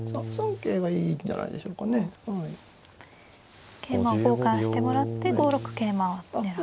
桂馬を交換してもらって５六桂馬狙う。